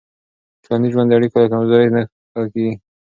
ټولنیز ژوند د اړیکو له کمزورۍ نه ښه کېږي.